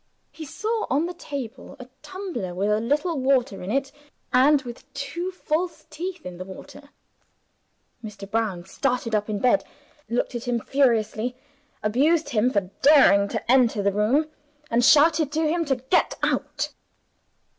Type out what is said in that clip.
He saw on the table a tumbler with a little water in it, and with two false teeth in the water. Mr. Brown started up in bed looked at him furiously abused him for daring to enter the room and shouted to him to "get out."